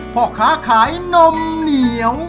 พ่อค้าขายนมเหนียว